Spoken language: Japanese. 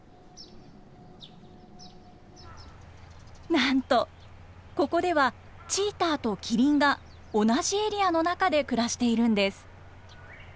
なんとここではチーターとキリンが同じエリアの中で暮らしているんです。